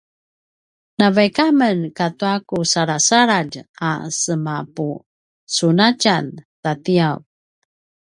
navaik amen katua ku salasaladj a semapusunatjan tatiav